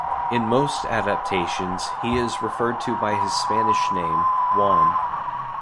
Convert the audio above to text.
In most adaptations, he is referred to by his Spanish name, Juan.